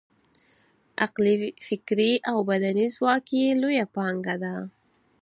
عقلي، فکري او بدني ځواک یې لویه پانګه ده.